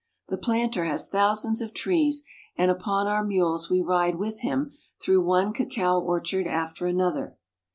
The planter has thousands of trees, and upon our mules we ride with him ^^^° through one cacao orchard after another.